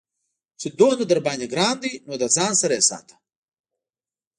چې دومره درباندې گران دى نو له ځان سره يې ساته.